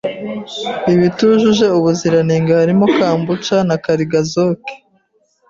ibitujuje ubuziranenge harimo kambucha na Kargazok